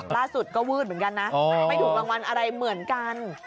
ล่าสุดก็วืดเหมือนกันนะไม่ถูกรางวัลอะไรเหมือนกัน